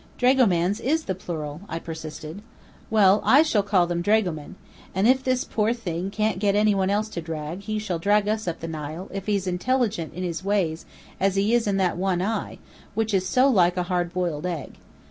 "Dragomans is the plural," I persisted. "Well, I shall call them dragomen. And if this poor thing can't get any one else to drag, he shall drag us up the Nile, if he's as intelligent in his ways as he is in that one eye, which is so like a hard boiled egg.